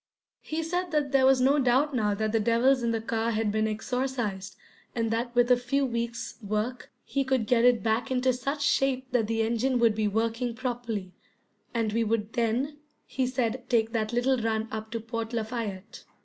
He said that there was no doubt now that the devils in the car had been exorcised, and that with a few weeks work he could get it back into such shape that the engine would be working properly, and we would then, he said take that little run up to Port Lafayette.